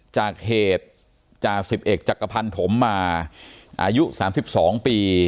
จากเหตุจากสิบเอกจักรพรรณถมมาอายุสามสิบสองปี